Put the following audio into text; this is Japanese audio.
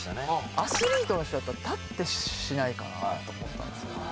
アスリートの人だったら立ってしないかなと思ったんですよ